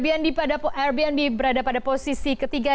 airbnb berada pada posisi ketiga